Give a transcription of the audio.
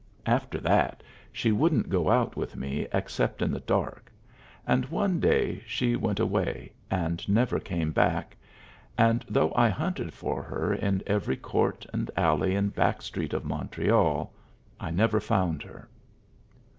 After that she wouldn't go out with me except in the dark, and one day she went away and never came back, and, though I hunted for her in every court and alley and back street of Montreal, I never found her.